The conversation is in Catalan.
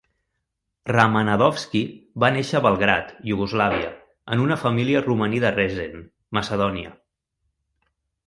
Ramadanovski va néixer a Belgrad, Iugoslàvia, en una família romaní de Resen, Macedònia.